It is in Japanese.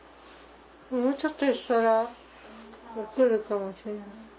もうちょっとしたら分かるかもしれない。